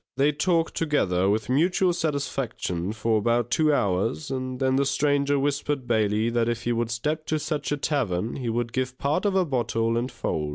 They talked together with mutual satisfaction for about two hours, and then the Stranger whispered Bailey that if he would step to such a tavern, he would give part of a bottle and fowl.